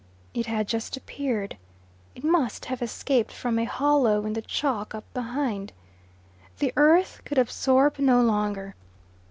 It had just appeared. It must have escaped from a hollow in the chalk up behind. The earth could absorb no longer.